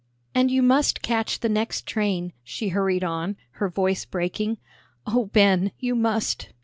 "And you must catch the next train," she hurried on, her voice breaking; "oh, Ben, you must."